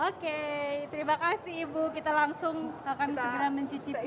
oke terima kasih ibu kita langsung akan segera mencicipi